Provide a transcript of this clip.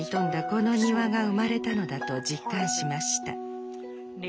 この庭が生まれたのだと実感しました。